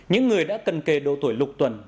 những người đã cần kề độ tuổi lục tuần